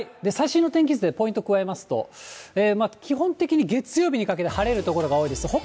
最新の天気図でポイント加えますと、基本的に月曜日にかけて晴れる所が多いです。